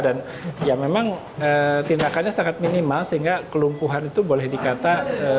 dan ya memang tindakannya sangat minimal sehingga kelumpuhan itu boleh dikata